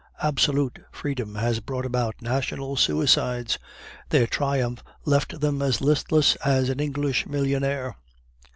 Absolute freedom has brought about national suicides; their triumph left them as listless as an English millionaire."